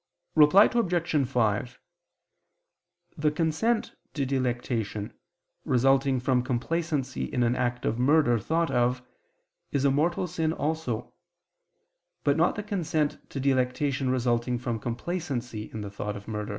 Reply Obj. 5: The consent to delectation, resulting from complacency in an act of murder thought of, is a mortal sin also: but not the consent to delectation resulting from complacency in the thought of murder.